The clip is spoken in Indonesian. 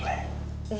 boleh tante marissanya